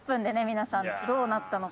皆さんどうなったのか。